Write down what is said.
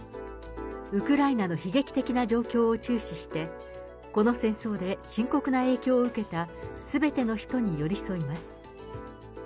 ウクライナの悲劇的な状況を注視して、この戦争で深刻な影響を受けたすべての人に寄り添います。